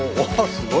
すごい。